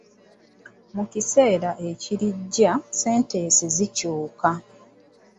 Mu kiseera ekirijja ssentensi zikyuka.